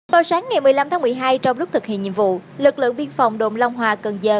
vào sáng ngày một mươi năm tháng một mươi hai trong lúc thực hiện nhiệm vụ lực lượng biên phòng đồn long hòa cần giờ